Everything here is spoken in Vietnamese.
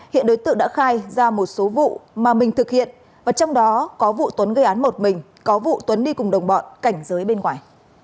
hiện đối tượng đã khai ra một số vụ mà mình thực hiện và trong đó có vụ tuấn gây án một mình có vụ tuấn đi cùng đồng bọn cảnh giới bên ngoài